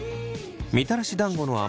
みたらし団子のあ